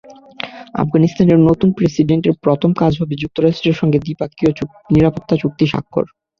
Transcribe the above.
আফগানিস্তানের নতুন প্রেসিডেন্টের প্রথম কাজ হবে যুক্তরাষ্ট্রের সঙ্গে দ্বিপক্ষীয় নিরাপত্তা চুক্তি স্বাক্ষর।